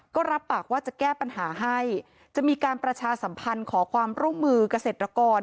ก็รับปากว่าจะแก้ปัญหาให้จะมีการประชาสัมพันธ์ขอความร่วมมือเกษตรกร